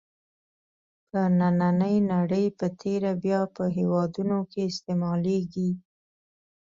په نننۍ نړۍ په تېره بیا په هېوادونو کې استعمالېږي.